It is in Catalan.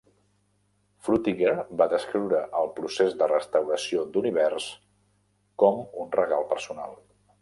Frutiger va descriure el procés de restauració d'Univers com un regal personal.